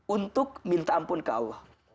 untuk minta ampun ke allah